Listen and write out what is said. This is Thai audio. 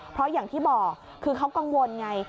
เพราะอย่างที่บอกคือเขากังวลไง